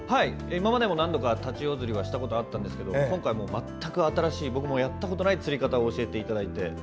今までも何度かタチウオ釣りはしたことあるんですが今回、全く新しい僕もやったことのない釣り方を教えていただいて。